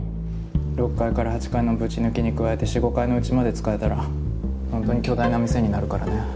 ６階から８階のぶち抜きに加えて４５階のうちまで使えたらほんとに巨大な店になるからね。